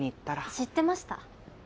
知ってました。